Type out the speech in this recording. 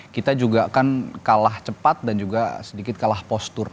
kita juga kan kalah cepat dan juga sedikit kalah postur